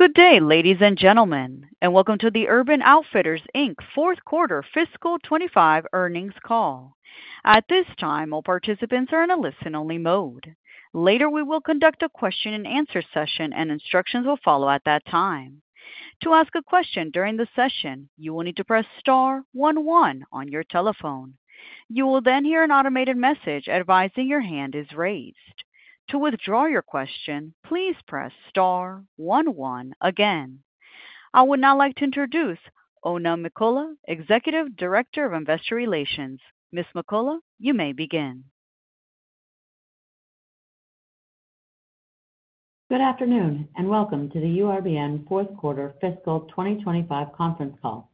Good day, ladies and gentlemen, and welcome to the Urban Outfitters Inc. Fourth Quarter Fiscal 2025 Earnings Call. At this time, all participants are in a listen-only mode. Later, we will conduct a question-and-answer session, and instructions will follow at that time. To ask a question during the session, you will need to press star 11 on your telephone. You will then hear an automated message advising your hand is raised. To withdraw your question, please press star 11 again. I would now like to introduce Oona McCullough, Executive Director of Investor Relations. Ms. McCullough, you may begin. Good afternoon, and welcome to the URBN Fourth Quarter Fiscal 2025 Conference Call.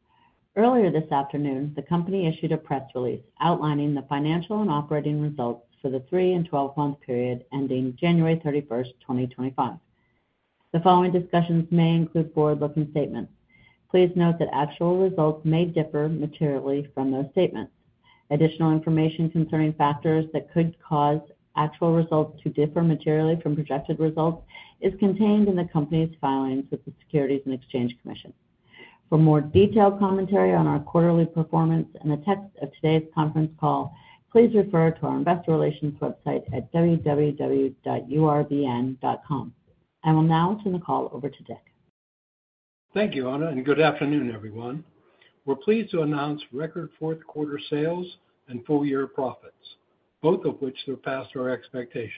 Earlier this afternoon, the company issued a press release outlining the financial and operating results for the three and 12-month period ending January 31st, 2025. The following discussions may include forward-looking statements. Please note that actual results may differ materially from those statements. Additional information concerning factors that could cause actual results to differ materially from projected results is contained in the company's filings with the Securities and Exchange Commission. For more detailed commentary on our quarterly performance and the text of today's conference call, please refer to our investor relations website at www.urbn.com. I will now turn the call over to Dick. Thank you, Oona, and good afternoon, everyone. We're pleased to announce record fourth-quarter sales and full-year profits, both of which surpassed our expectations.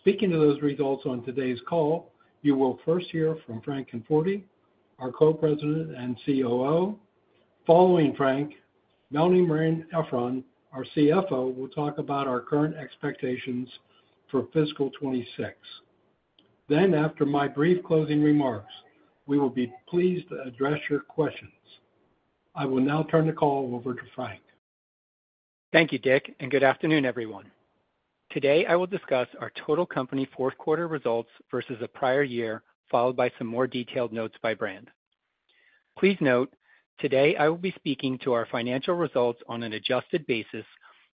Speaking to those results on today's call, you will first hear from Frank Conforti, our Co-President and COO. Following Frank, Melanie Marein-Efron, our CFO, will talk about our current expectations for Fiscal 2026. Then, after my brief closing remarks, we will be pleased to address your questions. I will now turn the call over to Frank. Thank you, Dick, and good afternoon, everyone. Today, I will discuss our total company fourth-quarter results versus a prior year, followed by some more detailed notes by brand. Please note, today I will be speaking to our financial results on an adjusted basis,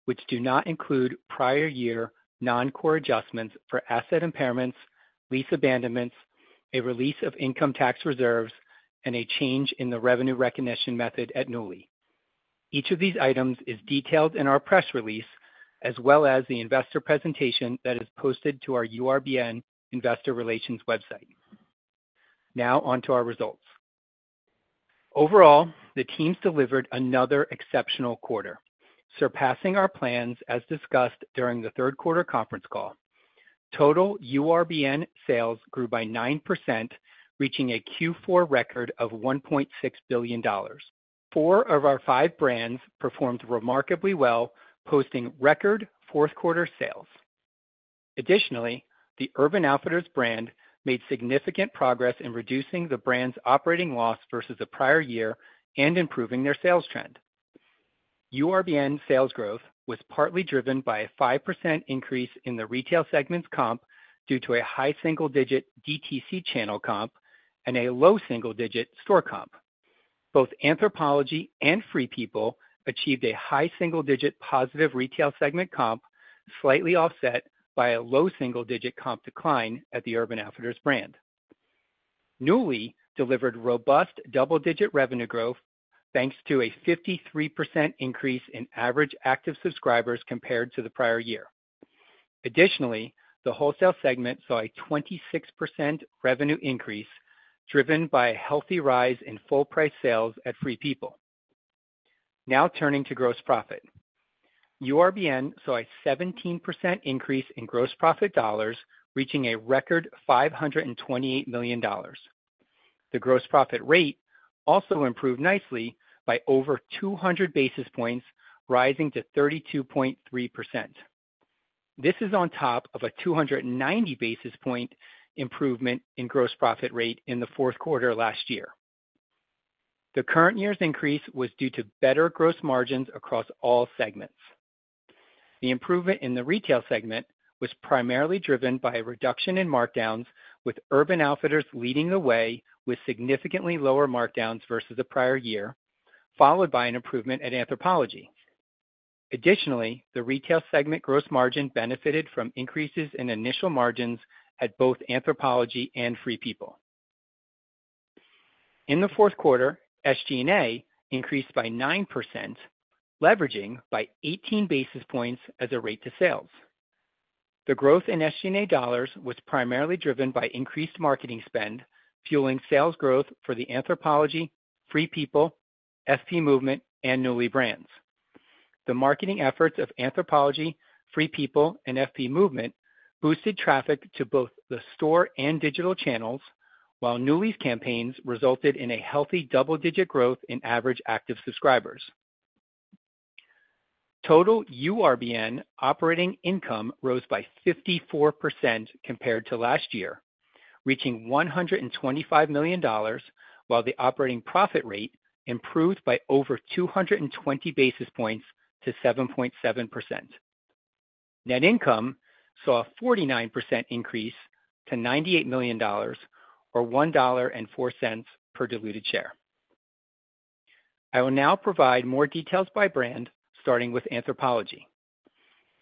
which do not include prior-year non-core adjustments for asset impairments, lease abandonments, a release of income tax reserves, and a change in the revenue recognition method at Nuuly. Each of these items is detailed in our press release as well as the investor presentation that is posted to our URBN investor relations website. Now, onto our results. Overall, the teams delivered another exceptional quarter, surpassing our plans as discussed during the third-quarter conference call. Total URBN sales grew by 9%, reaching a Q4 record of $1.6 billion. Four of our five brands performed remarkably well, posting record fourth-quarter sales. Additionally, the Urban Outfitters brand made significant progress in reducing the brand's operating loss versus a prior year and improving their sales trend. URBN sales growth was partly driven by a 5% increase in the retail segment's comp due to a high single-digit DTC channel comp and a low single-digit store comp. Both Anthropologie and Free People achieved a high single-digit positive retail segment comp, slightly offset by a low single-digit comp decline at the Urban Outfitters brand. Nuuly delivered robust double-digit revenue growth thanks to a 53% increase in average active subscribers compared to the prior year. Additionally, the wholesale segment saw a 26% revenue increase driven by a healthy rise in full-price sales at Free People. Now, turning to gross profit. URBN saw a 17% increase in gross profit dollars, reaching a record $528 million. The gross profit rate also improved nicely by over 200 basis points, rising to 32.3%. This is on top of a 290 basis point improvement in gross profit rate in the fourth quarter last year. The current year's increase was due to better gross margins across all segments. The improvement in the retail segment was primarily driven by a reduction in markdowns, with Urban Outfitters leading the way with significantly lower markdowns versus a prior year, followed by an improvement at Anthropologie. Additionally, the retail segment gross margin benefited from increases in initial margins at both Anthropologie and Free People. In the fourth quarter, SG&A increased by 9%, leveraging by 18 basis points as a rate to sales. The growth in SG&A dollars was primarily driven by increased marketing spend, fueling sales growth for the Anthropologie, Free People, FP Movement, and Nuuly brands. The marketing efforts of Anthropologie, Free People, and FP Movement boosted traffic to both the store and digital channels, while Nuuly's campaigns resulted in a healthy double-digit growth in average active subscribers. Total URBN operating income rose by 54% compared to last year, reaching $125 million, while the operating profit rate improved by over 220 basis points to 7.7%. Net income saw a 49% increase to $98 million, or $1.04 per diluted share. I will now provide more details by brand, starting with Anthropologie.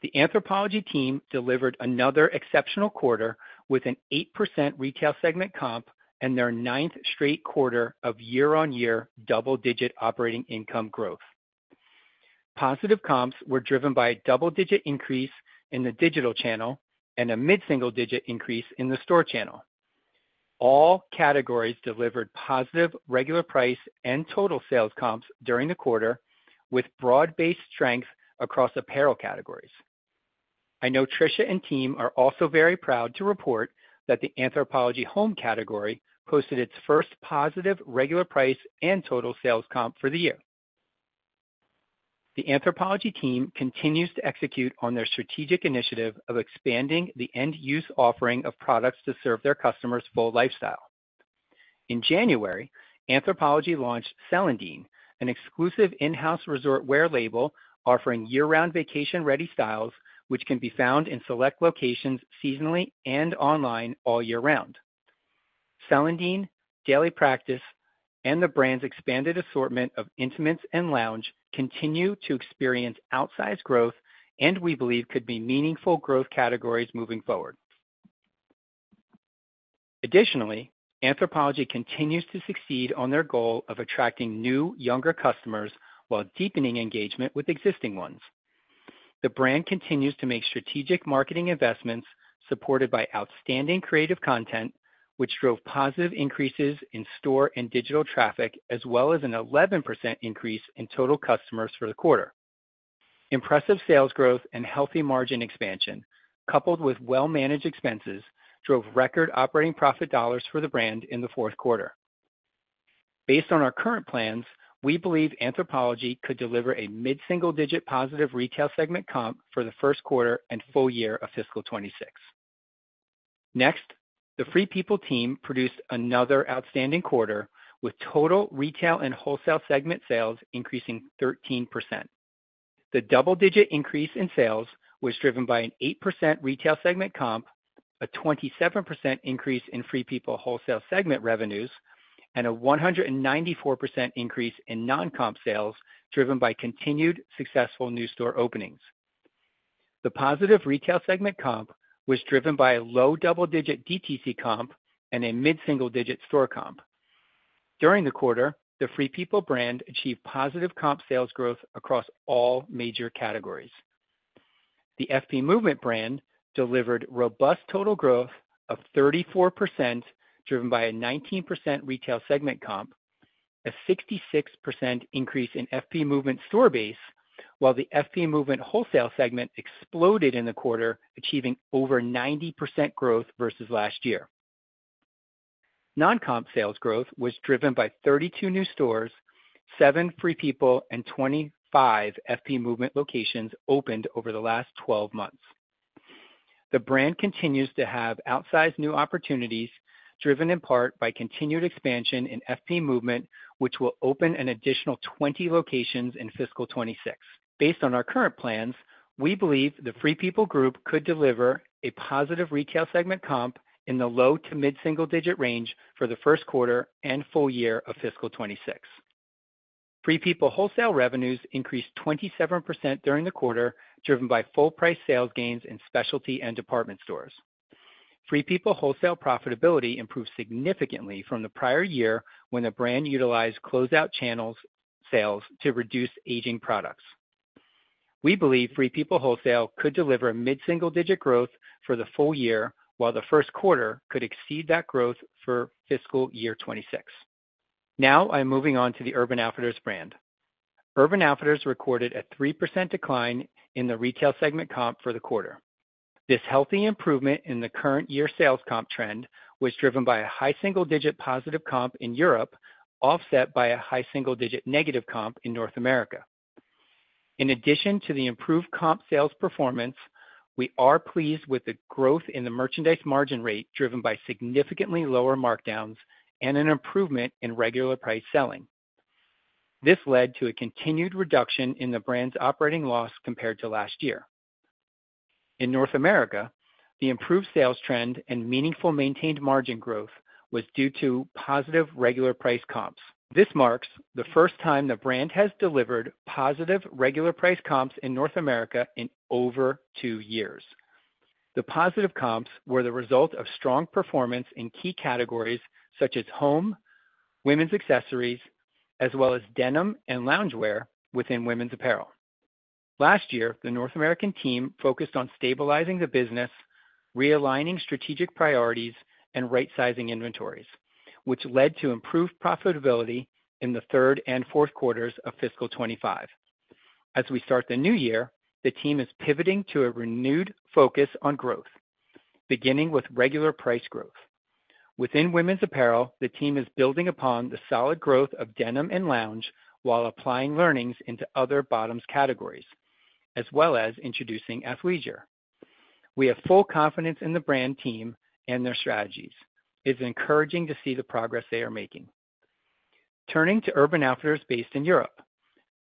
The Anthropologie team delivered another exceptional quarter with an 8% retail segment comp and their ninth straight quarter of year-on-year double-digit operating income growth. Positive comps were driven by a double-digit increase in the digital channel and a mid-single-digit increase in the store channel. All categories delivered positive regular price and total sales comps during the quarter, with broad-based strength across apparel categories. I know Tricia and team are also very proud to report that the Anthropologie Home category posted its first positive regular price and total sales comp for the year. The Anthropologie team continues to execute on their strategic initiative of expanding the end-use offering of products to serve their customers' full lifestyle. In January, Anthropologie launched Celandine, an exclusive in-house resort wear label offering year-round vacation-ready styles, which can be found in select locations seasonally and online all year round. Celandine, Daily Practice, and the brand's expanded assortment of intimates and lounge continue to experience outsized growth, and we believe could be meaningful growth categories moving forward. Additionally, Anthropologie continues to succeed on their goal of attracting new, younger customers while deepening engagement with existing ones. The brand continues to make strategic marketing investments supported by outstanding creative content, which drove positive increases in store and digital traffic, as well as an 11% increase in total customers for the quarter. Impressive sales growth and healthy margin expansion, coupled with well-managed expenses, drove record operating profit dollars for the brand in the fourth quarter. Based on our current plans, we believe Anthropologie could deliver a mid-single-digit positive retail segment comp for the first quarter and full year of Fiscal 2026. Next, the Free People team produced another outstanding quarter with total retail and wholesale segment sales increasing 13%. The double-digit increase in sales was driven by an 8% retail segment comp, a 27% increase in Free People wholesale segment revenues, and a 194% increase in non-comp sales driven by continued successful new store openings. The positive retail segment comp was driven by a low double-digit DTC comp and a mid-single-digit store comp. During the quarter, the Free People brand achieved positive comp sales growth across all major categories. The FP Movement brand delivered robust total growth of 34%, driven by a 19% retail segment comp, a 66% increase in FP Movement store base, while the FP Movement wholesale segment exploded in the quarter, achieving over 90% growth versus last year. Non-comp sales growth was driven by 32 new stores, seven Free People, and 25 FP Movement locations opened over the last 12 months. The brand continues to have outsized new opportunities, driven in part by continued expansion in FP Movement, which will open an additional 20 locations in Fiscal 2026. Based on our current plans, we believe the Free People group could deliver a positive retail segment comp in the low to mid-single-digit range for the first quarter and full year of Fiscal 2026. Free People wholesale revenues increased 27% during the quarter, driven by full-price sales gains in specialty and department stores. Free People wholesale profitability improved significantly from the prior year when the brand utilized close-out channels sales to reduce aging products. We believe Free People wholesale could deliver mid-single-digit growth for the full year, while the first quarter could exceed that growth for Fiscal 2026. Now, I'm moving on to the Urban Outfitters brand. Urban Outfitters recorded a 3% decline in the retail segment comp for the quarter. This healthy improvement in the current year sales comp trend was driven by a high single-digit positive comp in Europe, offset by a high single-digit negative comp in North America. In addition to the improved comp sales performance, we are pleased with the growth in the merchandise margin rate, driven by significantly lower markdowns and an improvement in regular price selling. This led to a continued reduction in the brand's operating loss compared to last year. In North America, the improved sales trend and meaningful maintained margin growth was due to positive regular price comps. This marks the first time the brand has delivered positive regular price comps in North America in over two years. The positive comps were the result of strong performance in key categories such as home, women's accessories, as well as denim and loungewear within women's apparel. Last year, the North American team focused on stabilizing the business, realigning strategic priorities, and right-sizing inventories, which led to improved profitability in the third and fourth quarters of Fiscal 2025. As we start the new year, the team is pivoting to a renewed focus on growth, beginning with regular price growth. Within women's apparel, the team is building upon the solid growth of denim and lounge while applying learnings into other bottoms categories, as well as introducing athleisure. We have full confidence in the brand team and their strategies. It's encouraging to see the progress they are making. Turning to Urban Outfitters based in Europe,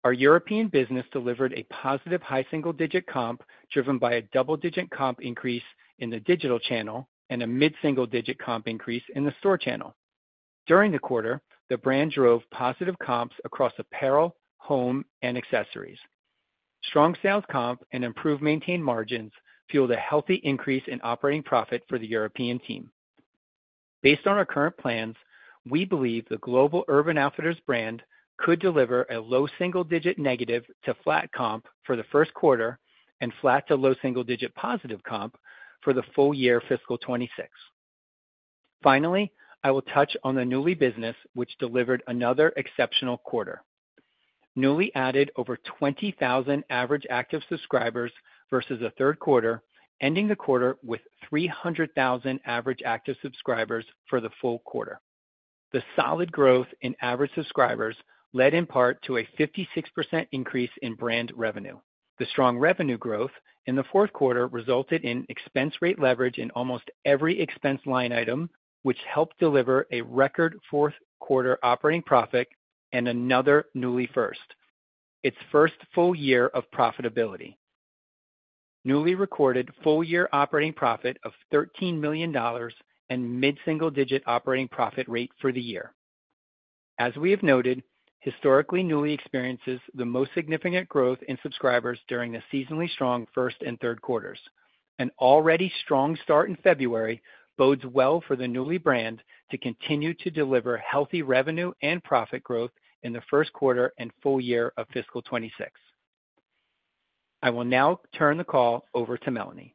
our European business delivered a positive high single-digit comp, driven by a double-digit comp increase in the digital channel and a mid-single-digit comp increase in the store channel. During the quarter, the brand drove positive comps across apparel, home, and accessories. Strong sales comp and improved maintained margins fueled a healthy increase in operating profit for the European team. Based on our current plans, we believe the global Urban Outfitters brand could deliver a low single-digit negative to flat comp for the first quarter and flat to low single-digit positive comp for the full year Fiscal 2026. Finally, I will touch on the Nuuly business, which delivered another exceptional quarter. Nuuly added over 20,000 average active subscribers versus a third quarter, ending the quarter with 300,000 average active subscribers for the full quarter. The solid growth in average subscribers led in part to a 56% increase in brand revenue. The strong revenue growth in the fourth quarter resulted in expense rate leverage in almost every expense line item, which helped deliver a record fourth quarter operating profit and another Nuuly first. Its first full year of profitability. Nuuly recorded full year operating profit of $13 million and mid-single-digit operating profit rate for the year. As we have noted, historically, Nuuly experiences the most significant growth in subscribers during the seasonally strong first and third quarters. An already strong start in February bodes well for the Nuuly brand to continue to deliver healthy revenue and profit growth in the first quarter and full year of Fiscal 2026. I will now turn the call over to Melanie.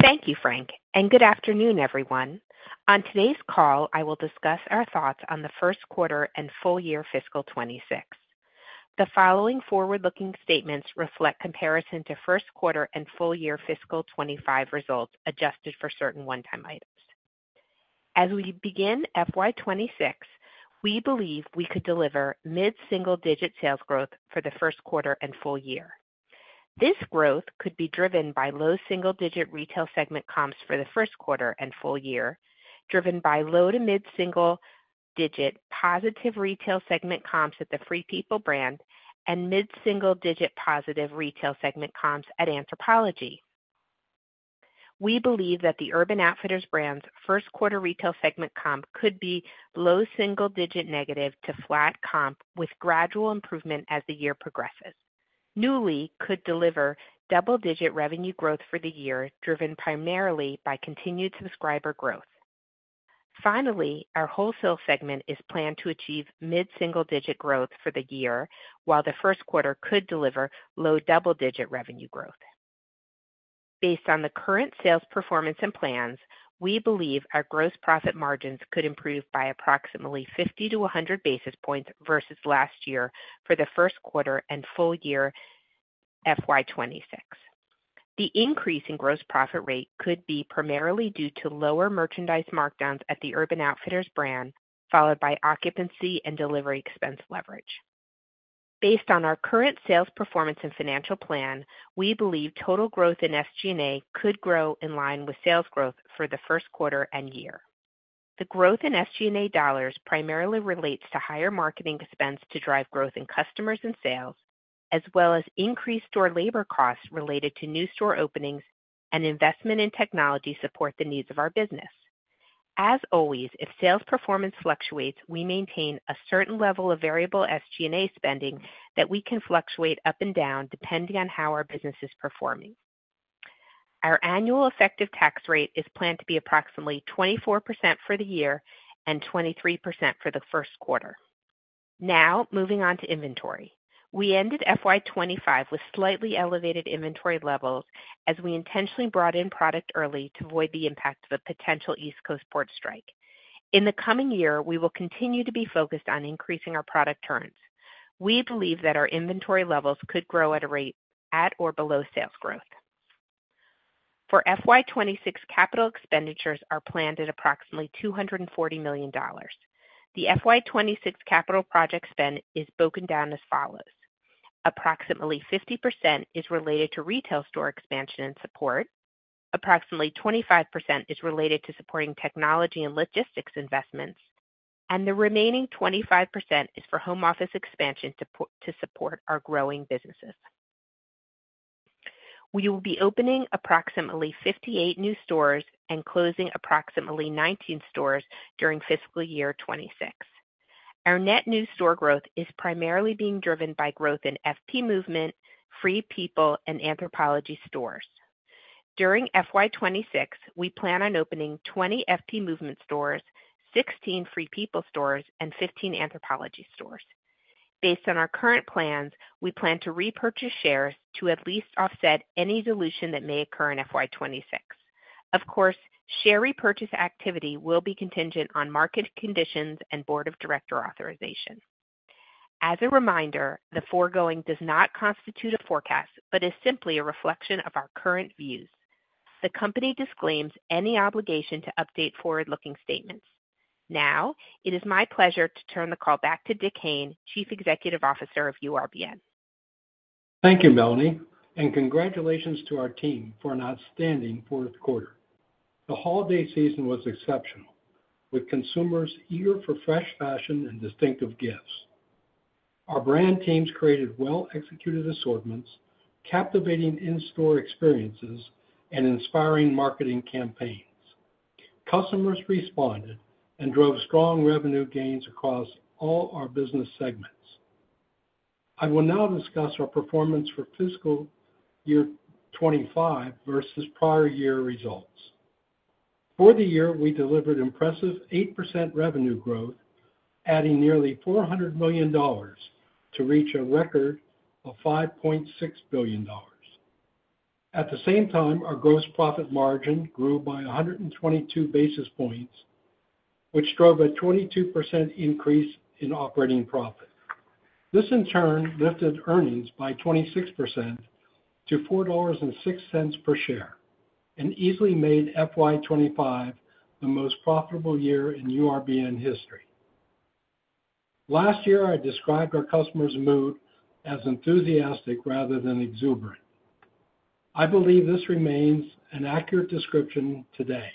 Thank you, Frank, and good afternoon, everyone. On today's call, I will discuss our thoughts on the first quarter and full year Fiscal 2026. The following forward-looking statements reflect comparison to first quarter and full year Fiscal 2025 results adjusted for certain one-time items. As we begin Fiscal 2026, we believe we could deliver mid-single-digit sales growth for the first quarter and full year. This growth could be driven by low single-digit retail segment comps for the first quarter and full year, driven by low to mid-single-digit positive retail segment comps at the Free People brand and mid-single-digit positive retail segment comps at Anthropologie. We believe that the Urban Outfitters brand's first quarter retail segment comp could be low single-digit negative to flat comp with gradual improvement as the year progresses. Nuuly could deliver double-digit revenue growth for the year, driven primarily by continued subscriber growth. Finally, our wholesale segment is planned to achieve mid-single-digit growth for the year, while the first quarter could deliver low double-digit revenue growth. Based on the current sales performance and plans, we believe our gross profit margins could improve by approximately 50-100 basis points versus last year for the first quarter and full year FY26. The increase in gross profit rate could be primarily due to lower merchandise markdowns at the Urban Outfitters brand, followed by occupancy and delivery expense leverage. Based on our current sales performance and financial plan, we believe total growth in SG&A could grow in line with sales growth for the first quarter and year. The growth in SG&A dollars primarily relates to higher marketing expense to drive growth in customers and sales, as well as increased store labor costs related to new store openings and investment in technology support the needs of our business. As always, if sales performance fluctuates, we maintain a certain level of variable SG&A spending that we can fluctuate up and down depending on how our business is performing. Our annual effective tax rate is planned to be approximately 24% for the year and 23% for the first quarter. Now, moving on to inventory. We ended FY25 with slightly elevated inventory levels as we intentionally brought in product early to avoid the impact of a potential East Coast port strike. In the coming year, we will continue to be focused on increasing our product turns. We believe that our inventory levels could grow at a rate at or below sales growth. For FY26, capital expenditures are planned at approximately $240 million. The FY26 capital project spend is broken down as follows. Approximately 50% is related to retail store expansion and support. Approximately 25% is related to supporting technology and logistics investments, and the remaining 25% is for home office expansion to support our growing businesses. We will be opening approximately 58 new stores and closing approximately 19 stores during Fiscal year 26. Our net new store growth is primarily being driven by growth in FP Movement, Free People, and Anthropologie stores. During FY26, we plan on opening 20 FP Movement stores, 16 Free People stores, and 15 Anthropologie stores. Based on our current plans, we plan to repurchase shares to at least offset any dilution that may occur in FY26. Of course, share repurchase activity will be contingent on market conditions and Board of Directors authorization. As a reminder, the foregoing does not constitute a forecast, but is simply a reflection of our current views. The company disclaims any obligation to update forward-looking statements. Now, it is my pleasure to turn the call back to Dick Hayne, Chief Executive Officer of URBN. Thank you, Melanie, and congratulations to our team for an outstanding fourth quarter. The holiday season was exceptional, with consumers eager for fresh fashion and distinctive gifts. Our brand teams created well-executed assortments, captivating in-store experiences, and inspiring marketing campaigns. Customers responded and drove strong revenue gains across all our business segments. I will now discuss our performance for Fiscal year 25 versus prior year results. For the year, we delivered impressive 8% revenue growth, adding nearly $400 million to reach a record of $5.6 billion. At the same time, our gross profit margin grew by 122 basis points, which drove a 22% increase in operating profit. This, in turn, lifted earnings by 26% to $4.06 per share and easily made FY25 the most profitable year in URBN history. Last year, I described our customers' mood as enthusiastic rather than exuberant. I believe this remains an accurate description today.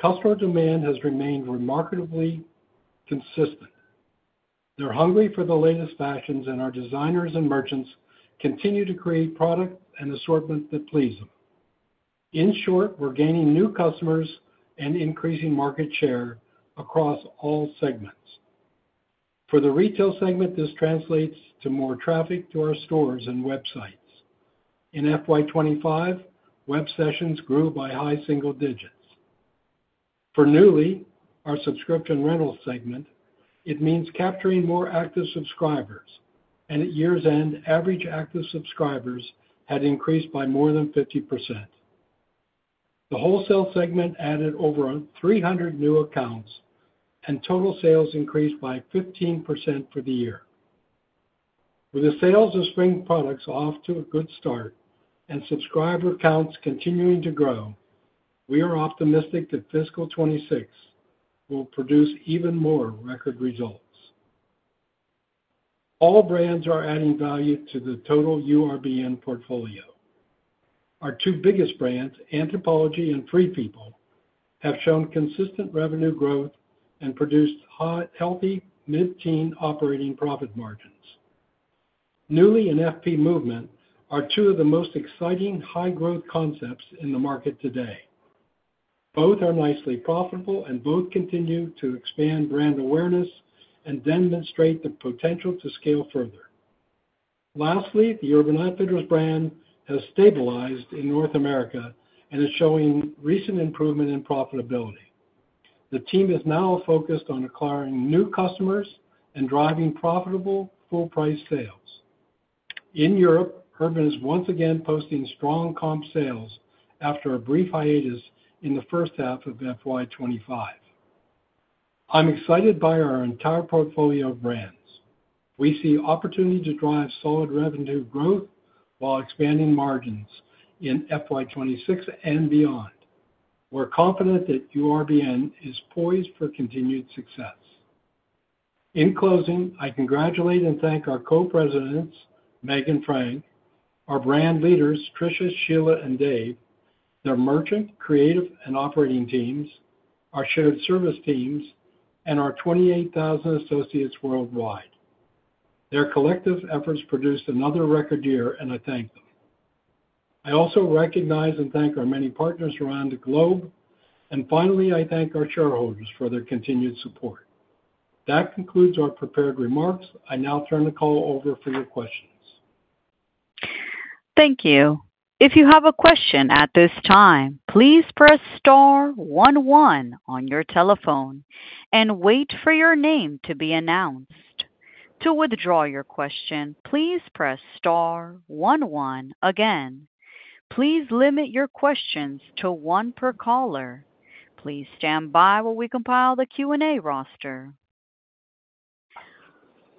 Customer demand has remained remarkably consistent. They're hungry for the latest fashions, and our designers and merchants continue to create products and assortments that please them. In short, we're gaining new customers and increasing market share across all segments. For the retail segment, this translates to more traffic to our stores and websites. In FY25, web sessions grew by high single digits. For Nuuly, our subscription rental segment, it means capturing more active subscribers, and at year's end, average active subscribers had increased by more than 50%. The wholesale segment added over 300 new accounts, and total sales increased by 15% for the year. With the sales of spring products off to a good start and subscriber counts continuing to grow, we are optimistic that Fiscal 2026 will produce even more record results. All brands are adding value to the total URBN portfolio. Our two biggest brands, Anthropologie and Free People, have shown consistent revenue growth and produced healthy mid-teen operating profit margins. Nuuly and FP Movement are two of the most exciting high-growth concepts in the market today. Both are nicely profitable, and both continue to expand brand awareness and demonstrate the potential to scale further. Lastly, the Urban Outfitters brand has stabilized in North America and is showing recent improvement in profitability. The team is now focused on acquiring new customers and driving profitable full-price sales. In Europe, Urban is once again posting strong comp sales after a brief hiatus in the first half of FY25. I'm excited by our entire portfolio of brands. We see opportunity to drive solid revenue growth while expanding margins in FY26 and beyond. We're confident that URBN is poised for continued success. In closing, I congratulate and thank our co-presidents, Meg and Frank, our brand leaders, Tricia, Sheila, and Dave, their merchant, creative, and operating teams, our shared service teams, and our 28,000 associates worldwide. Their collective efforts produced another record year, and I thank them. I also recognize and thank our many partners around the globe, and finally, I thank our shareholders for their continued support. That concludes our prepared remarks. I now turn the call over for your questions. Thank you. If you have a question at this time, please press star one one on your telephone and wait for your name to be announced. To withdraw your question, please press star one one again. Please limit your questions to one per caller. Please stand by while we compile the Q&A roster.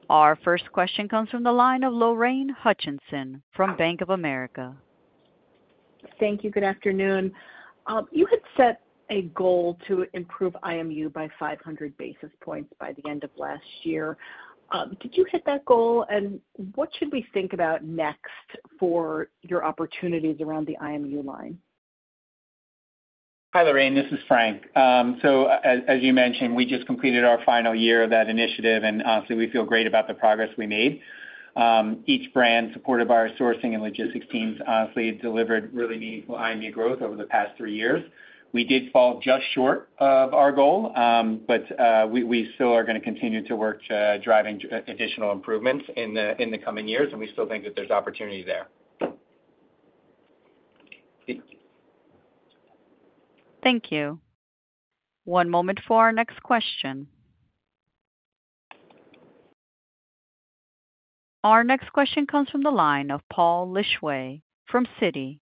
Our first question comes from the line of Lorraine Hutchinson from Bank of America. Thank you. Good afternoon. You had set a goal to improve IMU by 500 basis points by the end of last year. Did you hit that goal, and what should we think about next for your opportunities around the IMU line? Hi, Lorraine. This is Frank. So, as you mentioned, we just completed our final year of that initiative, and honestly, we feel great about the progress we made. Each brand supported by our sourcing and logistics teams honestly delivered really meaningful IMU growth over the past three years. We did fall just short of our goal, but we still are going to continue to work to drive additional improvements in the coming years, and we still think that there's opportunity there. Thank you. One moment for our next question. Our next question comes from the line of Paul Lejuez from Citi.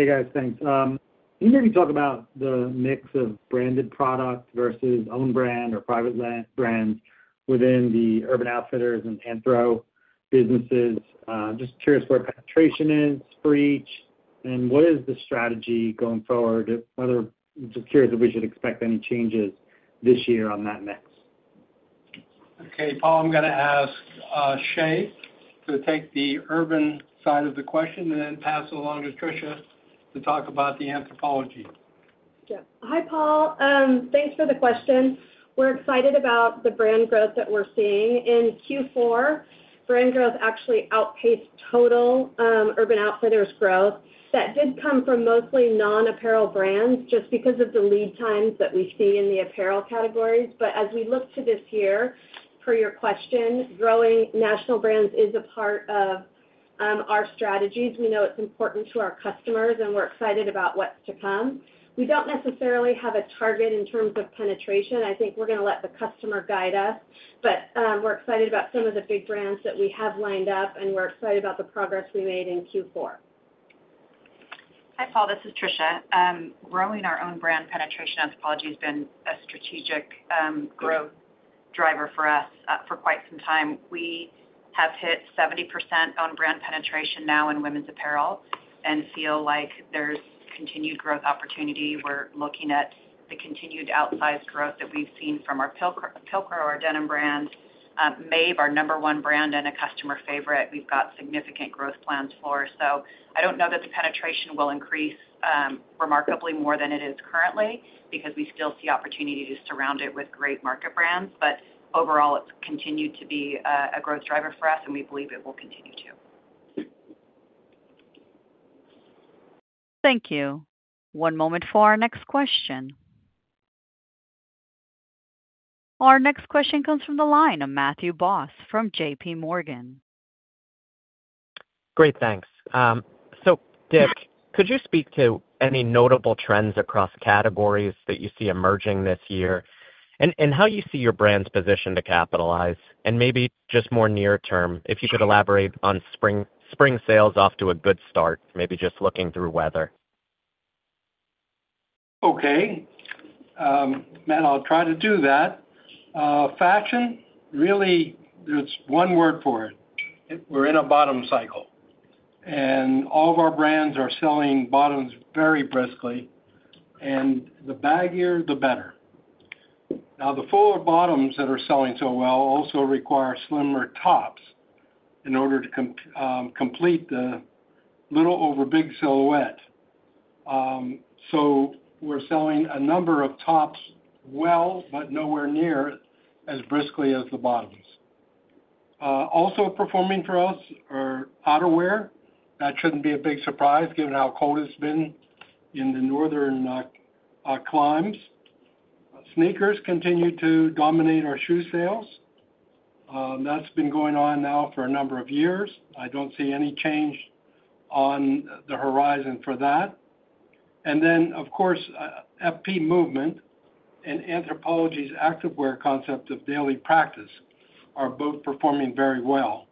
Hey, guys. Thanks. Can you maybe talk about the mix of branded product versus own brand or private brands within the Urban Outfitters and Anthro businesses? Just curious where penetration is for each and what is the strategy going forward? Just curious if we should expect any changes this year on that mix. Okay. Paul, I'm going to ask Sheila to take the Urban side of the question and then pass along to Tricia to talk about the Anthropologie. Hi, Paul. Thanks for the question. We're excited about the brand growth that we're seeing. In Q4, brand growth actually outpaced total Urban Outfitters growth. That did come from mostly non-apparel brands just because of the lead times that we see in the apparel categories. But as we look to this year, per your question, growing national brands is a part of our strategies. We know it's important to our customers, and we're excited about what's to come. We don't necessarily have a target in terms of penetration. I think we're going to let the customer guide us, but we're excited about some of the big brands that we have lined up, and we're excited about the progress we made in Q4. Hi, Paul.This is Tricia. Growing our own brand penetration, Anthropologie has been a strategic growth driver for us for quite some time. We have hit 70% own brand penetration now in women's apparel and feel like there's continued growth opportunity. We're looking at the continued outsized growth that we've seen from our Pilcro, our denim brand, Maeve, our number one brand and a customer favorite. We've got significant growth plans for us. So I don't know that the penetration will increase remarkably more than it is currently because we still see opportunity to surround it with great market brands. But overall, it's continued to be a growth driver for us, and we believe it will continue to. Thank you. One moment for our next question. Our next question comes from the line of Matthew Boss from JPMorgan. Great. Thanks. So, Dick, could you speak to any notable trends across categories that you see emerging this year and how you see your brand's position to capitalize? And maybe just more near term, if you could elaborate on spring sales off to a good start, maybe just looking through weather. Okay, and I'll try to do that. Fashion, really, there's one word for it. We're in a bottoms cycle, and all of our brands are selling bottoms very briskly, and the baggier, the better. Now, the fuller bottoms that are selling so well also require slimmer tops in order to complete the little over big silhouette. So we're selling a number of tops well, but nowhere near as briskly as the bottoms. Also performing for us are outerwear. That shouldn't be a big surprise given how cold it's been in the northern climes. Sneakers continue to dominate our shoe sales. That's been going on now for a number of years. I don't see any change on the horizon for that. And then, of course, FP Movement and Anthropologie's activewear concept of Daily Practice are both performing very well.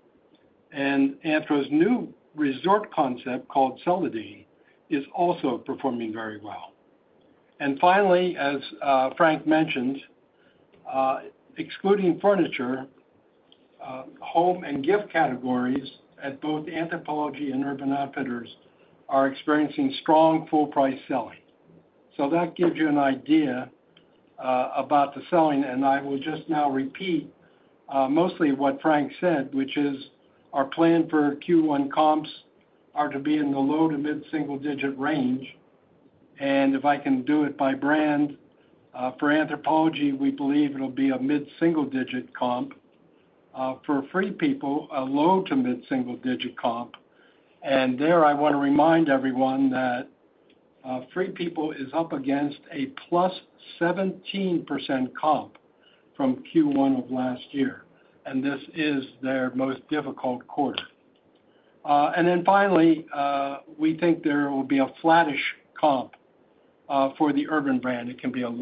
And Anthro's new resort concept called Celandine is also performing very well. And finally, as Frank mentioned, excluding furniture, home and gift categories at both Anthropologie and Urban Outfitters are experiencing strong full-price selling. So that gives you an idea about the selling. And I will just now repeat mostly what Frank said, which is our plan for Q1 comps are to be in the low to mid-single-digit range. And if I can do it by brand, for Anthropologie, we believe it'll be a mid-single-digit comp. For Free People, a low to mid-single-digit comp. I want to remind everyone that Free People is up against a +17% comp from Q1 of last year, and this is their most difficult quarter. Then finally, we think there will be a flattish comp for the Urban brand. It can be a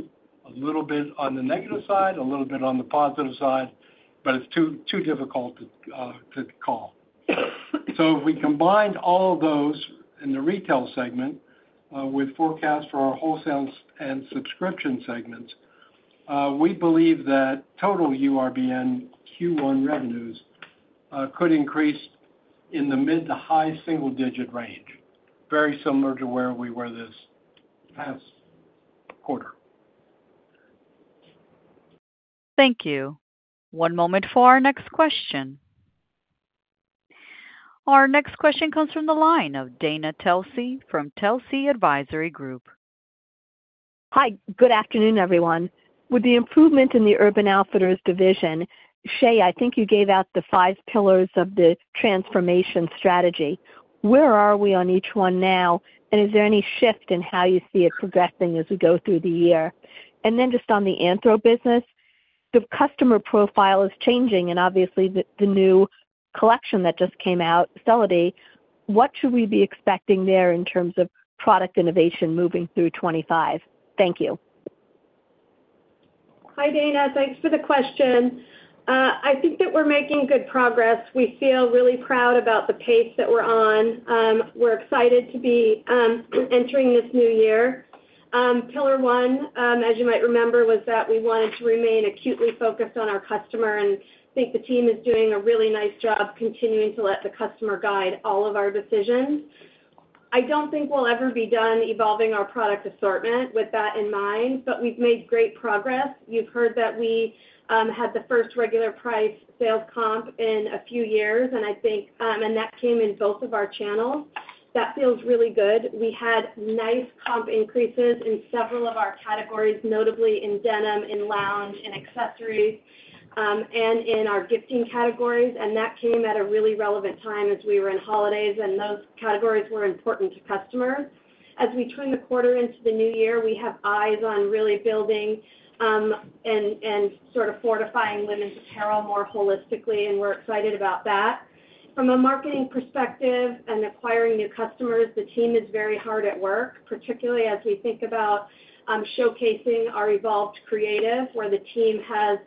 little bit on the negative side, a little bit on the positive side, but it's too difficult to call. So if we combine all of those in the retail segment with forecasts for our wholesale and subscription segments, we believe that total URBN Q1 revenues could increase in the mid- to high-single-digit range, very similar to where we were this past quarter. Thank you. One moment for our next question. Our next question comes from the line of Dana Telsey from Telsey Advisory Group. Hi. Good afternoon, everyone. With the improvement in the Urban Outfitters division, Sheila, I think you gave out the five pillars of the transformation strategy. Where are we on each one now, and is there any shift in how you see it progressing as we go through the year? And then just on the Anthro business, the customer profile is changing, and obviously, the new collection that just came out, Celandine, what should we be expecting there in terms of product innovation moving through '25?Thank you. Hi, Dana. Thanks for the question. I think that we're making good progress. We feel really proud about the pace that we're on. We're excited to be entering this new year. Pillar one, as you might remember, was that we wanted to remain acutely focused on our customer, and I think the team is doing a really nice job continuing to let the customer guide all of our decisions. I don't think we'll ever be done evolving our product assortment with that in mind, but we've made great progress. You've heard that we had the first regular-price sales comp in a few years, and that came in both of our channels. That feels really good. We had nice comp increases in several of our categories, notably in denim, in lounge, in accessories, and in our gifting categories. And that came at a really relevant time as we were in holidays, and those categories were important to customers. As we turn the quarter into the new year, we have eyes on really building and sort of fortifying women's apparel more holistically, and we're excited about that. From a marketing perspective and acquiring new customers, the team is very hard at work, particularly as we think about showcasing our evolved creative, where the team has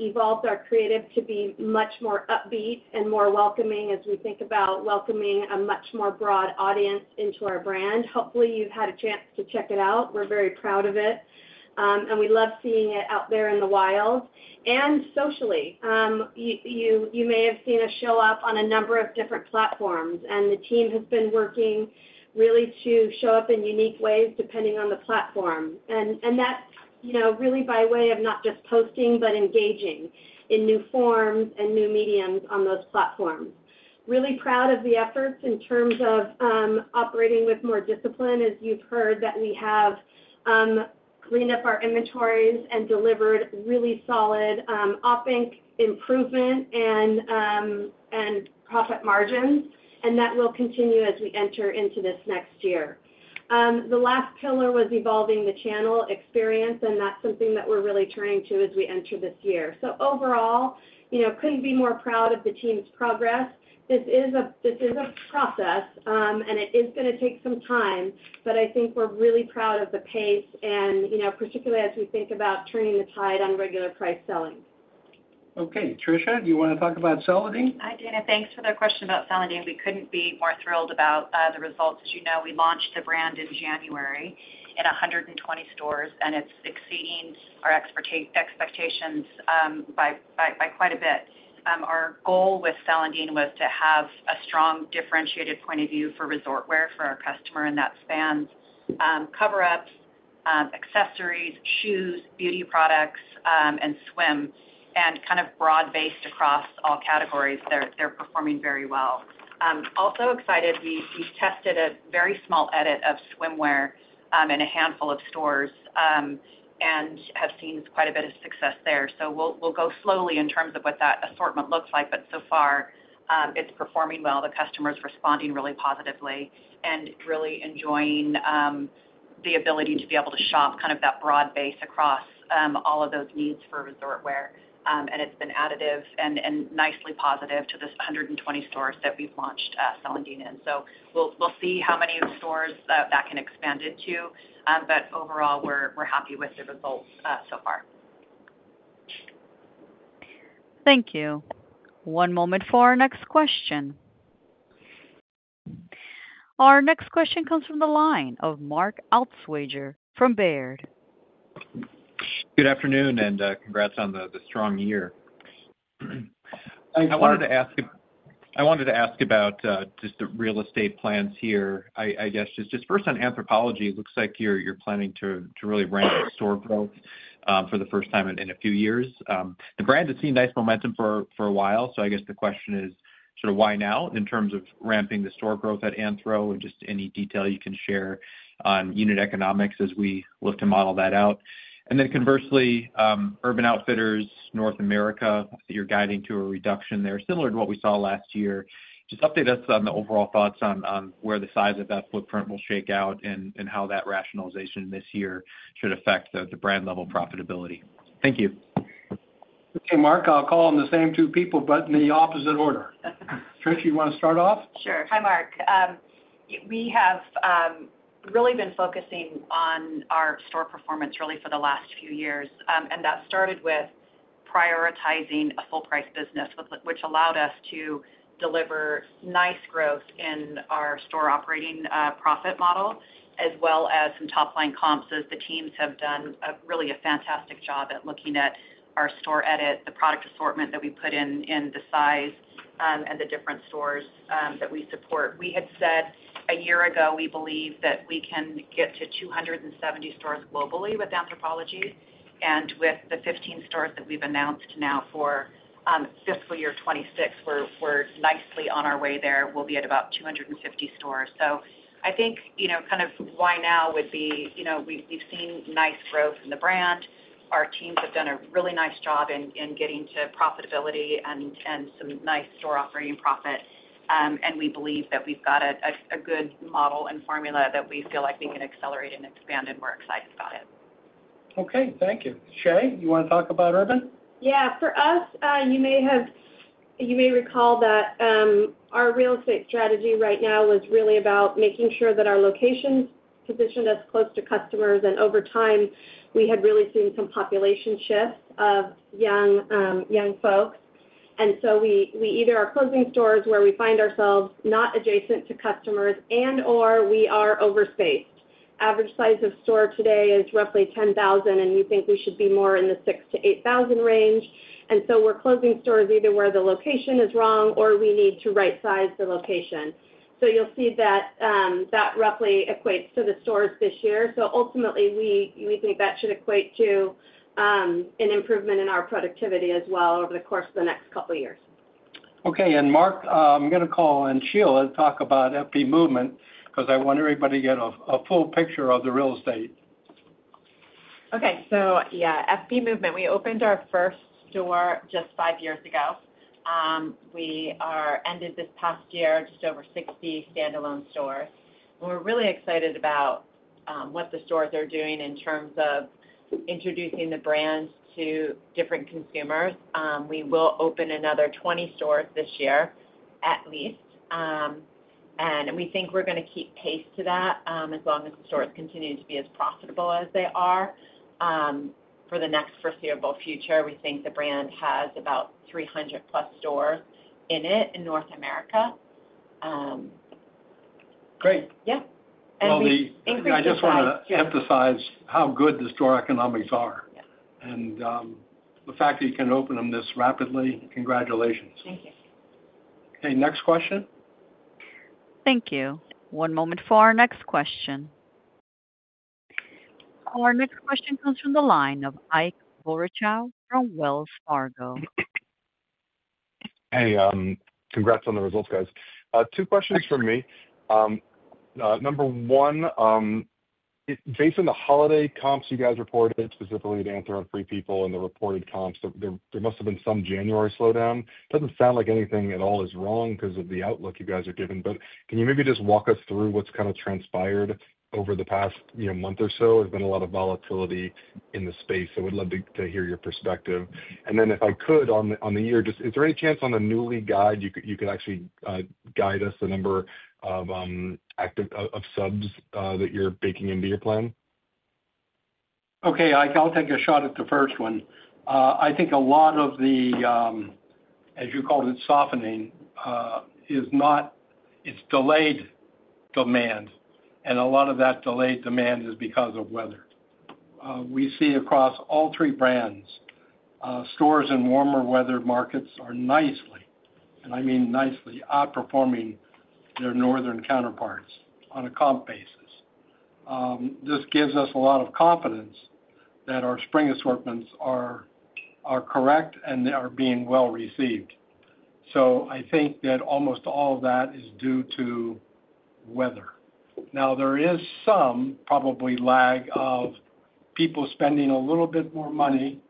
evolved our creative to be much more upbeat and more welcoming as we think about welcoming a much more broad audience into our brand. Hopefully, you've had a chance to check it out. We're very proud of it, and we love seeing it out there in the wild and socially. You may have seen us show up on a number of different platforms, and the team has been working really to show up in unique ways depending on the platform. And that's really by way of not just posting, but engaging in new forms and new mediums on those platforms. Really proud of the efforts in terms of operating with more discipline, as you've heard, that we have cleaned up our inventories and delivered really solid IMU improvement and profit margins, and that will continue as we enter into this next year. The last pillar was evolving the channel experience, and that's something that we're really turning to as we enter this year. So overall, couldn't be more proud of the team's progress. This is a process, and it is going to take some time, but I think we're really proud of the pace, and particularly as we think about turning the tide on regular price selling. Okay. Tricia, do you want to talk about Celandine? Hi, Dana. Thanks for the question about Celandine. We couldn't be more thrilled about the results. As you know, we launched the brand in January in 120 stores, and it's exceeding our expectations by quite a bit. Our goal with Celandine was to have a strong differentiated point of view for resort wear for our customer, and that spans cover-ups, accessories, shoes, beauty products, and swim, and kind of broad-based across all categories. They're performing very well. Also excited, we've tested a very small edit of swimwear in a handful of stores and have seen quite a bit of success there. So we'll go slowly in terms of what that assortment looks like, but so far, it's performing well. The customer is responding really positively and really enjoying the ability to be able to shop kind of that broad base across all of those needs for resort wear. And it's been additive and nicely positive to these 120 stores that we've launched Celandine in. So we'll see how many stores that can expand into, but overall, we're happy with the results so far. Thank you. One moment for our next question. Our next question comes from the line of Mark Altschwager from Baird. Good afternoon and congrats on the strong year. Thanks, Mark. I wanted to ask about just the real estate plans here. I guess just first on Anthropologie, it looks like you're planning to really ramp up store growth for the first time in a few years. The brand has seen nice momentum for a while, so I guess the question is sort of why now in terms of ramping the store growth at Anthro and just any detail you can share on unit economics as we look to model that out. And then conversely, Urban Outfitters, North America, you're guiding to a reduction there similar to what we saw last year. Just update us on the overall thoughts on where the size of that footprint will shake out and how that rationalization this year should affect the brand-level profitability. Thank you. Okay, Mark, I'll call on the same two people, but in the opposite order. Trish, you want to start off? Sure. Hi, Mark. We have really been focusing on our store performance really for the last few years, and that started with prioritizing a full-price business, which allowed us to deliver nice growth in our store operating profit model as well as some top-line comps as the teams have done really a fantastic job at looking at our store edit, the product assortment that we put in, and the size and the different stores that we support. We had said a year ago, we believe that we can get to 270 stores globally with Anthropologie, and with the 15 stores that we've announced now for Fiscal 2026, we're nicely on our way there. We'll be at about 250 stores, so I think kind of why now would be we've seen nice growth in the brand. Our teams have done a really nice job in getting to profitability and some nice store operating profit, and we believe that we've got a good model and formula that we feel like we can accelerate and expand, and we're excited about it. Okay. Thank you. Sheila, you want to talk about Urban? Yeah. For us, you may recall that our real estate strategy right now was really about making sure that our locations positioned us close to customers, and over time, we had really seen some population shifts of young folks, and so we either are closing stores where we find ourselves not adjacent to customers and/or we are overspaced. Average size of store today is roughly 10,000, and we think we should be more in the 6,000-8,000 range, and so we're closing stores either where the location is wrong or we need to right-size the location, so you'll see that that roughly equates to the stores this year, so ultimately, we think that should equate to an improvement in our productivity as well over the course of the next couple of years. Okay. And Mark, I'm going to call on Sheila to talk about FP Movement because I want everybody to get a full picture of the real estate. Okay. So yeah, FP Movement. We opened our first store just five years ago. We ended this past year just over 60 standalone stores. We're really excited about what the stores are doing in terms of introducing the brand to different consumers. We will open another 20 stores this year at least, and we think we're going to keep pace to that as long as the stores continue to be as profitable as they are. For the next foreseeable future, we think the brand has about 300-plus stores in it in North America. Great. Yeah. And we've increased the sales. Well, I just want to emphasize how good the store economics are and the fact that you can open them this rapidly. Congratulations. Thank you. Okay. Next question. Thank you. One moment for our next question. Our next question comes from the line of Ike Boruchow from Wells Fargo. Hey. Congrats on the results, guys. Two questions from me. Number one, based on the holiday comps you guys reported, specifically to Anthro and Free People and the reported comps, there must have been some January slowdown. Doesn't sound like anything at all is wrong because of the outlook you guys are given, but can you maybe just walk us through what's kind of transpired over the past month or so? There's been a lot of volatility in the space, so we'd love to hear your perspective. And then if I could, on the year, is there any chance in your new guide you could actually guide us the number of subs that you're baking into your plan? Okay. I'll take a shot at the first one. I think a lot of the, as you called it, softening is delayed demand, and a lot of that delayed demand is because of weather. We see across all three brands, stores in warmer weather markets are nicely, and I mean nicely, outperforming their northern counterparts on a comp basis. This gives us a lot of confidence that our spring assortments are correct and are being well received. So I think that almost all of that is due to weather. Now, there is some probably lag of people spending a little bit more money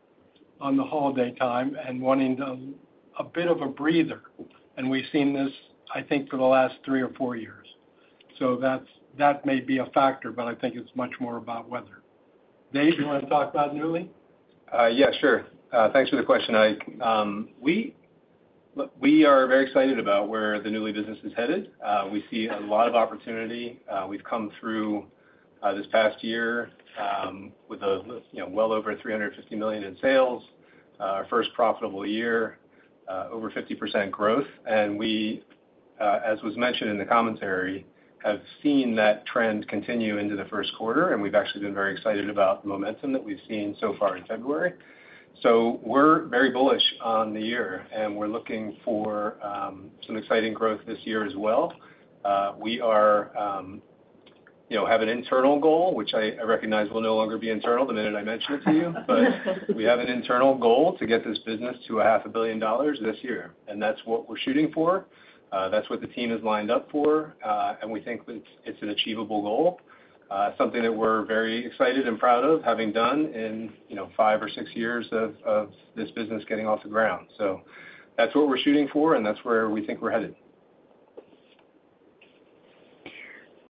on the holiday time and wanting a bit of a breather, and we've seen this, I think, for the last three or four years. So that may be a factor, but I think it's much more about weather. Dave, you want to talk about Nuuly? Yeah, sure. Thanks for the question. We are very excited about where the Nuuly business is headed. We see a lot of opportunity. We've come through this past year with well over $350 million in sales, our first profitable year, over 50% growth, and we, as was mentioned in the commentary, have seen that trend continue into the first quarter, and we've actually been very excited about the momentum that we've seen so far in February. So we're very bullish on the year, and we're looking for some exciting growth this year as well. We have an internal goal, which I recognize will no longer be internal the minute I mention it to you, but we have an internal goal to get this business to $500 million this year, and that's what we're shooting for. That's what the team has lined up for, and we think it's an achievable goal, something that we're very excited and proud of having done in five or six years of this business getting off the ground. So that's what we're shooting for, and that's where we think we're headed.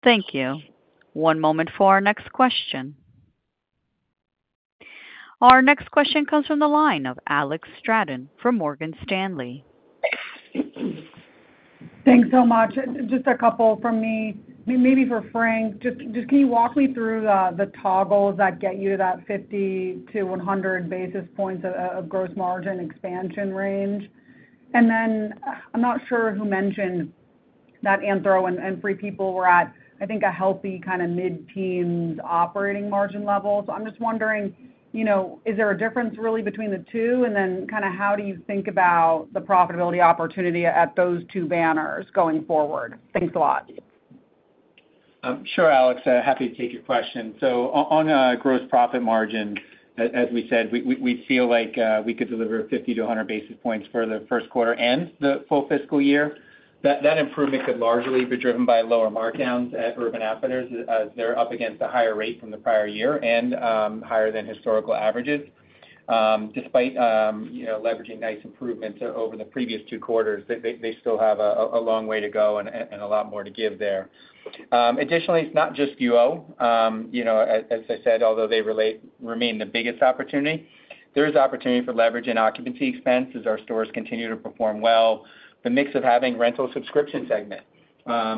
Thank you. One moment for our next question. Our next question comes from the line of Alex Straton from Morgan Stanley. Thanks so much. Just a couple from me. Maybe for Frank, just can you walk me through the toggles that get you to that 50-100 basis points of gross margin expansion range? And then I'm not sure who mentioned that Anthro and Free People were at, I think, a healthy kind of mid-teens operating margin level. So I'm just wondering, is there a difference really between the two? Then kind of how do you think about the profitability opportunity at those two banners going forward? Thanks a lot. Sure, Alex. Happy to take your question. So on a gross profit margin, as we said, we feel like we could deliver 50-100 basis points for the first quarter and the full fiscal year. That improvement could largely be driven by lower markdowns at Urban Outfitters as they're up against a higher rate from the prior year and higher than historical averages. Despite leveraging nice improvements over the previous two quarters, they still have a long way to go and a lot more to give there. Additionally, it's not just UO. As I said, although they remain the biggest opportunity, there is opportunity for leveraging occupancy expense as our stores continue to perform well. The mix of having rental subscription segment,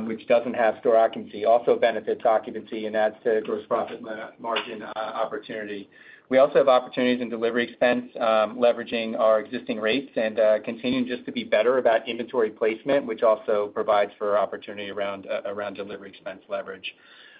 which doesn't have store occupancy, also benefits occupancy and adds to the gross profit margin opportunity. We also have opportunities in delivery expense, leveraging our existing rates and continuing just to be better about inventory placement, which also provides for opportunity around delivery expense leverage.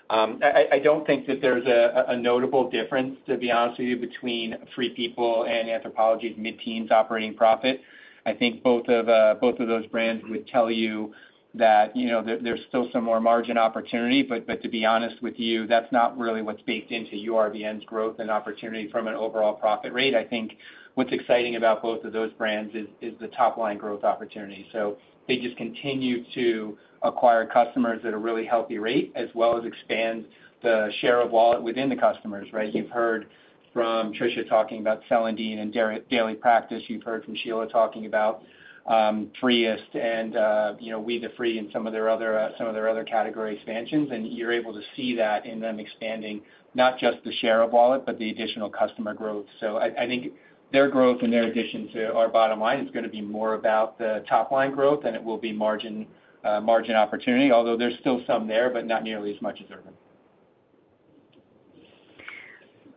I don't think that there's a notable difference, to be honest with you, between Free People and Anthropologie's mid-teens operating profit. I think both of those brands would tell you that there's still some more margin opportunity, but to be honest with you, that's not really what's baked into URBN's growth and opportunity from an overall profit rate. I think what's exciting about both of those brands is the top-line growth opportunity. So they just continue to acquire customers at a really healthy rate as well as expand the share of wallet within the customers, right? You've heard from Tricia talking about Celandine and Daily Practice. You've heard from Sheila talking about Free-est and We The Free and some of their other category expansions, and you're able to see that in them expanding not just the share of wallet, but the additional customer growth. So I think their growth in their addition to our bottom line is going to be more about the top-line growth, and it will be margin opportunity, although there's still some there, but not nearly as much as Urban.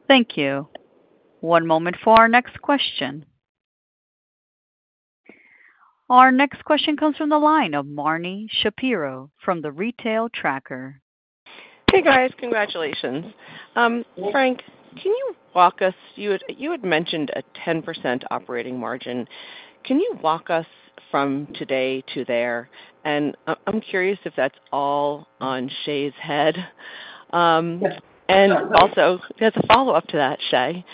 Thank you. One moment for our next question. Our next question comes from the line of Marni Shapiro from The Retail Tracker. Hey, guys. Congratulations. Frank, can you walk us. You had mentioned a 10% operating margin. Can you walk us from today to there? And I'm curious if that's all on Sheila's head. And also, as a follow-up to that, Sheila,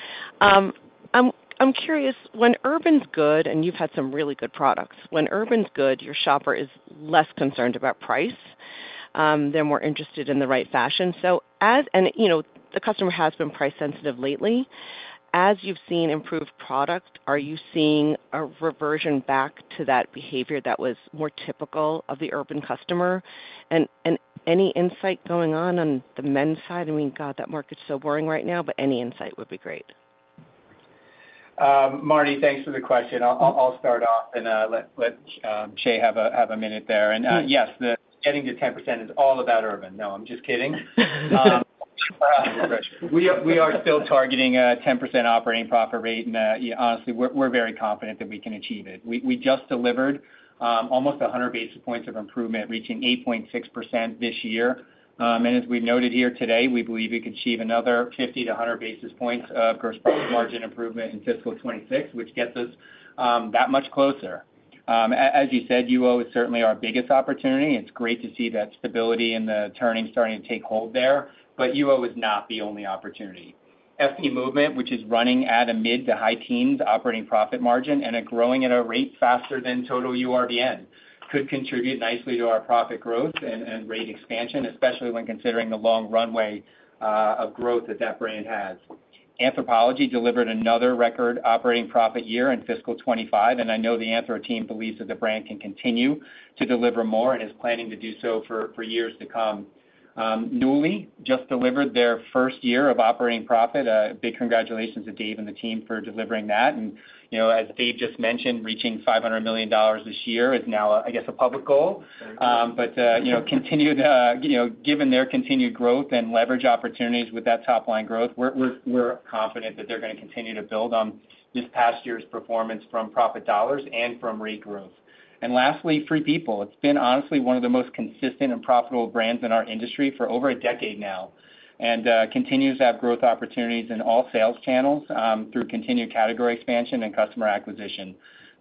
I'm curious. When Urban's good, and you've had some really good products, when Urban's good, your shopper is less concerned about price. They're more interested in the right fashion. So the customer has been price-sensitive lately. As you've seen improved product, are you seeing a reversion back to that behavior that was more typical of the Urban customer? And any insight going on on the men's side? I mean, God, that market's so boring right now, but any insight would be great. Marni, thanks for the question. I'll start off, and let Sheila have a minute there. And yes, getting to 10% is all about Urban. No, I'm just kidding. We are still targeting a 10% operating profit rate, and honestly, we're very confident that we can achieve it. We just delivered almost 100 basis points of improvement, reaching 8.6% this year. And as we've noted here today, we believe we could achieve another 50 to 100 basis points of gross profit margin improvement in Fiscal 2026, which gets us that much closer. As you said, Nuuly is certainly our biggest opportunity. It's great to see that stability and the turning starting to take hold there, but Nuuly is not the only opportunity. FP Movement, which is running at a mid to high teens operating profit margin and growing at a rate faster than total URBN, could contribute nicely to our profit growth and rate expansion, especially when considering the long runway of growth that brand has. Anthropologie delivered another record operating profit year in Fiscal 2025, and I know the Anthro team believes that the brand can continue to deliver more and is planning to do so for years to come. Nuuly just delivered their first year of operating profit. Big congratulations to Dave and the team for delivering that. And as Dave just mentioned, reaching $500 million this year is now, I guess, a public goal. But given their continued growth and leverage opportunities with that top-line growth, we're confident that they're going to continue to build on this past year's performance from profit dollars and from rate growth. And lastly, Free People. It's been honestly one of the most consistent and profitable brands in our industry for over a decade now and continues to have growth opportunities in all sales channels through continued category expansion and customer acquisition.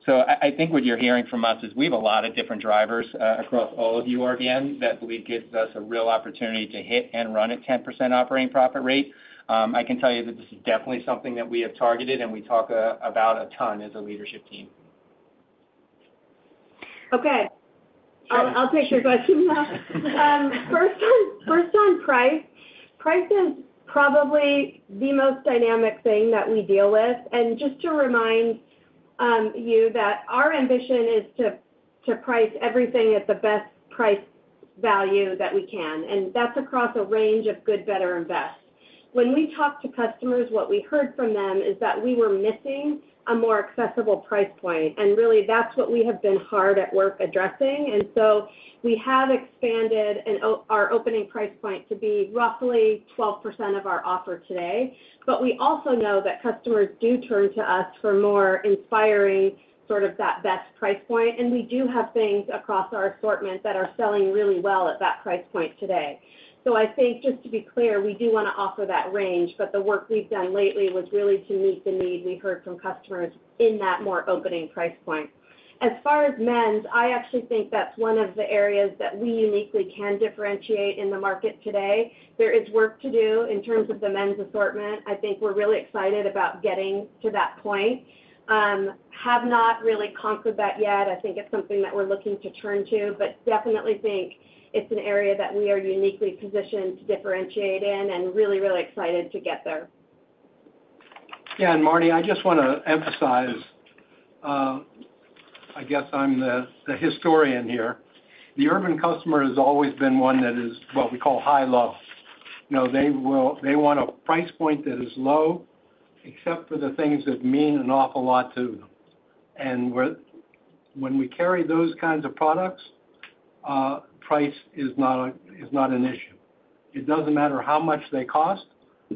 So I think what you're hearing from us is we have a lot of different drivers across all of URBN that believe it gives us a real opportunity to hit and run at 10% operating profit rate. I can tell you that this is definitely something that we have targeted, and we talk about a ton as a leadership team. Okay. I'll take your question now. First on price. Price is probably the most dynamic thing that we deal with, and just to remind you that our ambition is to price everything at the best price value that we can, and that's across a range of good, better, and best. When we talk to customers, what we heard from them is that we were missing a more accessible price point, and really, that's what we have been hard at work addressing. And so we have expanded our opening price point to be roughly 12% of our offer today, but we also know that customers do turn to us for more inspiring sort of that best price point, and we do have things across our assortment that are selling really well at that price point today. So I think just to be clear, we do want to offer that range, but the work we've done lately was really to meet the need we heard from customers in that more opening price point. As far as men's, I actually think that's one of the areas that we uniquely can differentiate in the market today. There is work to do in terms of the men's assortment. I think we're really excited about getting to that point. Have not really conquered that yet. I think it's something that we're looking to turn to, but definitely think it's an area that we are uniquely positioned to differentiate in and really, really excited to get there. Yeah. And Marni, I just want to emphasize, I guess I'm the historian here. The Urban customer has always been one that is what we call high-low. They want a price point that is low except for the things that mean an awful lot to them. And when we carry those kinds of products, price is not an issue. It doesn't matter how much they cost.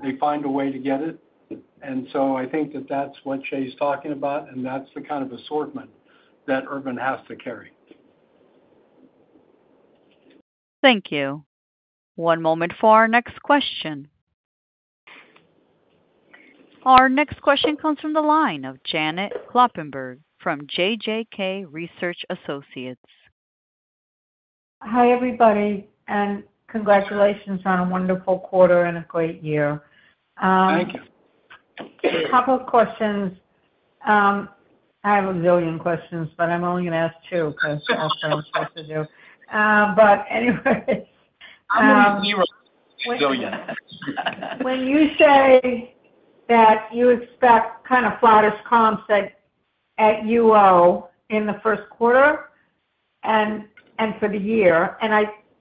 They find a way to get it. And so I think that that's what Sheila's talking about, and that's the kind of assortment that Urban has to carry. Thank you. One moment for our next question. Our next question comes from the line of Janet Kloppenburg from JJK Research Associates. Hi everybody, and congratulations on a wonderful quarter and a great year. Thank you. A couple of questions. I have a zillion questions, but I'm only going to ask two because that's what I'm supposed to do. But anyway. When you say that you expect kind of flattish comps at URBN in the first quarter and for the year, and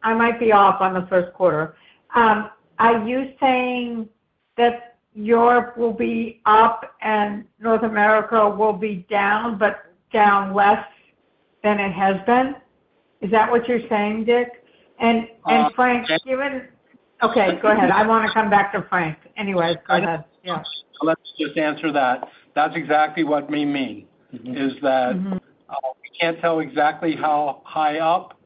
I might be off on the first quarter, are you saying that Europe will be up and North America will be down, but down less than it has been? Is that what you're saying, Dick? And Frank, given, okay, go ahead. I want to come back to Frank. Anyway, go ahead. Yeah. Let's just answer that. That's exactly what we mean, is that we can't tell exactly how high up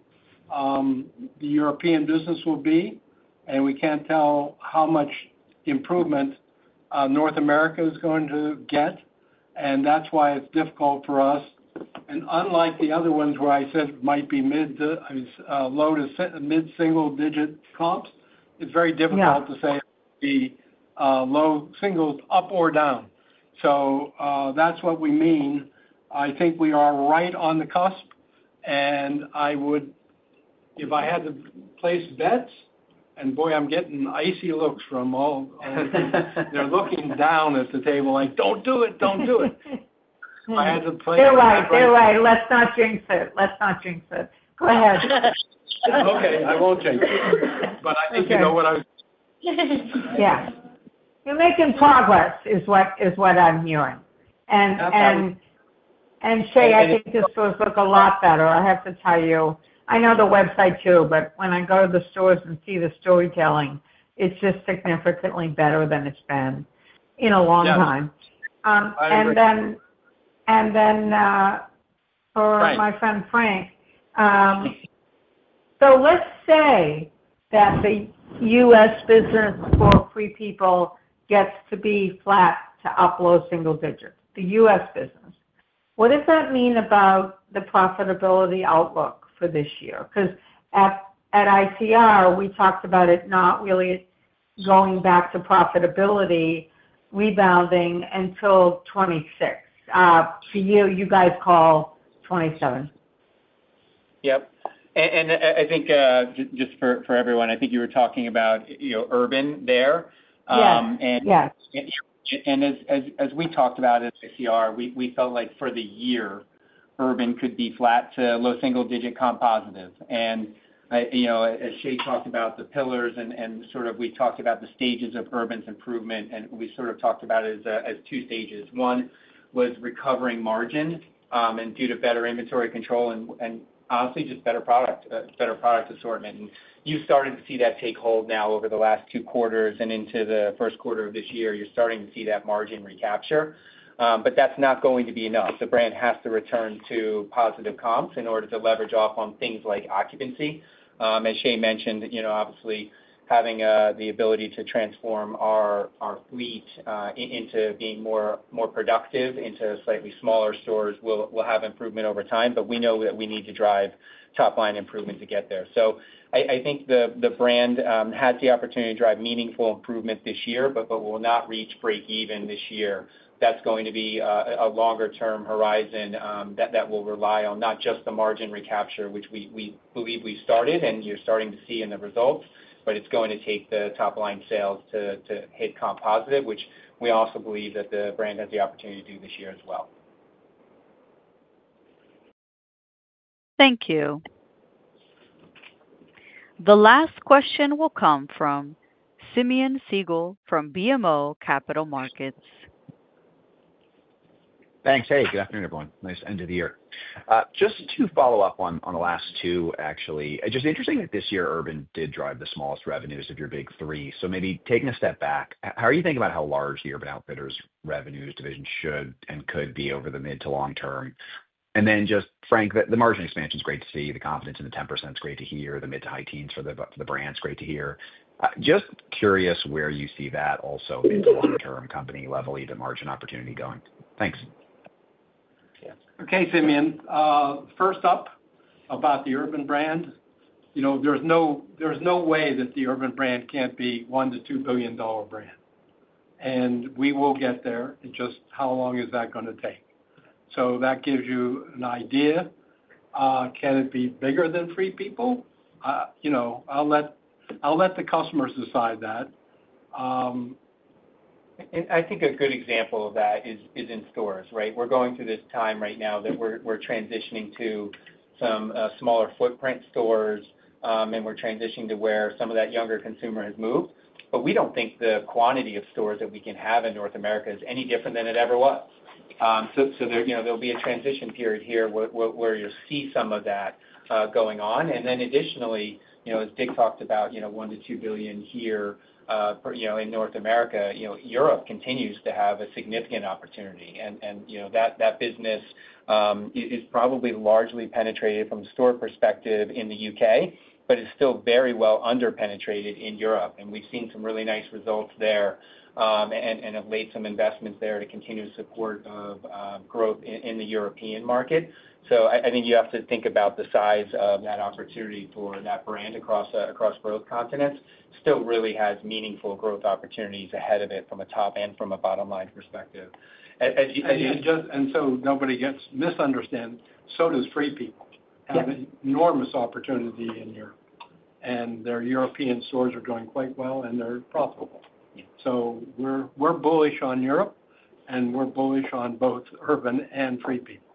the European business will be, and we can't tell how much improvement North America is going to get. That's why it's difficult for us. Unlike the other ones where I said might be mid- to low- to mid-single-digit comps, it's very difficult to say it will be low singles up or down. That's what we mean. I think we are right on the cusp, and if I had to place bets, and boy, I'm getting icy looks from all, they're looking down at the table like, "Don't do it. Don't do it." I had to play it. You're right. You're right. Let's not jinx it. Let's not jinx it. Go ahead. Okay. I won't jinx it. But I think you know what I was, yeah. You're making progress is what I'm hearing. Sheila, I think the stores look a lot better. I have to tell you. I know the website too, but when I go to the stores and see the storytelling, it's just significantly better than it's been in a long time. And then for my friend Frank, so let's say that the U.S. business for Free People gets to be flat to up low single digits, the U.S. business. What does that mean about the profitability outlook for this year? Because at ICR, we talked about it not really going back to profitability rebounding until 2026. To you, you guys call 2027. Yep. And I think just for everyone, I think you were talking about Urban there. And as we talked about at ICR, we felt like for the year, Urban could be flat to low single digit comp positive. As Sheila talked about the pillars, and sort of we talked about the stages of Urban's improvement, and we sort of talked about it as two stages. One was recovering margin and due to better inventory control and honestly just better product assortment. You've started to see that take hold now over the last two quarters and into the first quarter of this year. You're starting to see that margin recapture, but that's not going to be enough. The brand has to return to positive comps in order to leverage off on things like occupancy. As Sheila mentioned, obviously having the ability to transform our fleet into being more productive into slightly smaller stores will have improvement over time, but we know that we need to drive top-line improvement to get there. So I think the brand has the opportunity to drive meaningful improvement this year, but will not reach break-even this year. That's going to be a longer-term horizon that will rely on not just the margin recapture, which we believe we've started and you're starting to see in the results, but it's going to take the top-line sales to hit comp positive, which we also believe that the brand has the opportunity to do this year as well. Thank you. The last question will come from Simeon Siegel from BMO Capital Markets. Thanks. Hey, good afternoon, everyone. Nice end of the year. Just to follow up on the last two, actually. Just interesting that this year Urban did drive the smallest revenues of your big three. So maybe taking a step back, how are you thinking about how large the Urban Outfitters revenues division should and could be over the mid- to long-term? And then just Frank, the margin expansion is great to see. The confidence in the 10% is great to hear. The mid- to high-teens percent for the brand is great to hear. Just curious where you see that also in the long-term company-level overall margin opportunity going. Thanks. Okay, Simeon. First up about the Urban brand, there's no way that the Urban brand can't be a one- to two-billion-dollar brand. And we will get there. Just how long is that going to take? So that gives you an idea. Can it be bigger than Free People? I'll let the customers decide that. And I think a good example of that is in stores, right? We're going through this time right now that we're transitioning to some smaller footprint stores, and we're transitioning to where some of that younger consumer has moved, but we don't think the quantity of stores that we can have in North America is any different than it ever was, so there'll be a transition period here where you'll see some of that going on, and then additionally, as Dick talked about, $1 billion-$2 billion here in North America. Europe continues to have a significant opportunity, and that business is probably largely penetrated from a store perspective in the UK, but it's still very well underpenetrated in Europe, and we've seen some really nice results there and have laid some investments there to continue support of growth in the European market, so I think you have to think about the size of that opportunity for that brand across both continents, still really has meaningful growth opportunities ahead of it from a top- and bottom-line perspective. and so nobody gets misunderstood. So does Free People have an enormous opportunity in Europe, and their European stores are doing quite well, and they're profitable. So we're bullish on Europe, and we're bullish on both Urban and Free People.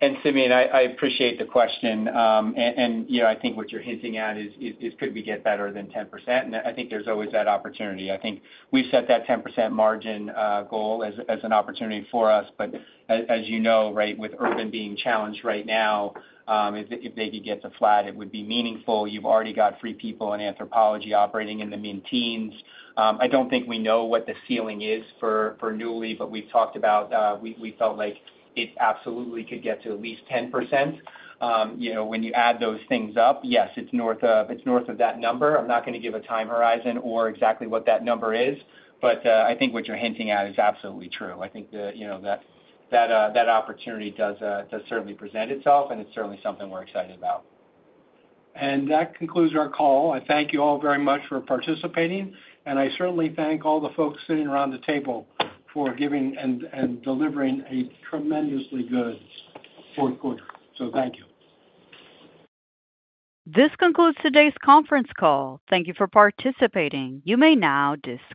Yeah, and Simeon, I appreciate the question, and I think what you're hinting at is, could we get better than 10%? And I think there's always that opportunity. I think we've set that 10% margin goal as an opportunity for us, but as you know, right, with Urban being challenged right now, if they could get to flat, it would be meaningful. You've already got Free People and Anthropologie operating in the mid-teens. I don't think we know what the ceiling is for Nuuly, but we've talked about we felt like it absolutely could get to at least 10%. When you add those things up, yes, it's north of that number. I'm not going to give a time horizon or exactly what that number is, but I think what you're hinting at is absolutely true. I think that opportunity does certainly present itself, and it's certainly something we're excited about. And that concludes our call. I thank you all very much for participating. And I certainly thank all the folks sitting around the table for giving and delivering a tremendously good fourth quarter. So thank you. This concludes today's conference call. Thank you for participating. You may now disconnect.